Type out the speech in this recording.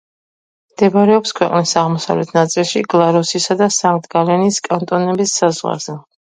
მდებარეობს ქვეყნის აღმოსავლეთ ნაწილში, გლარუსისა და სანქტ-გალენის კანტონების საზღვარზე.